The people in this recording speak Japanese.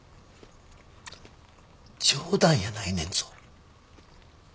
冗談やないねんぞ。